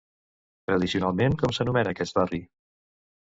Tradicionalment com s'anomena aquest barri?